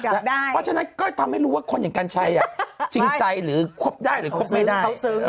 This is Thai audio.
แบตเทินจากได้ทำให้รู้ว่าคนอย่างกันใช่จริงใจหรือครบได้หรือไม่ได้